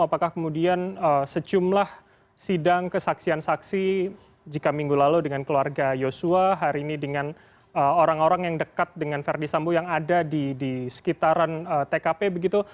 apakah kemudian sejumlah sidang kesaksian saksi jika minggu lalu dengan keluarga yosua hari ini dengan orang orang yang dekat dengan verdi sambo yang ada di sekitaran tkp begitu